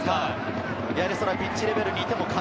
ピッチレベルにいても感